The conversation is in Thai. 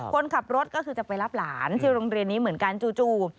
คนขับรถก็คือจะไปรับหลานที่โรงเรียนนี้เหมือนกันจู่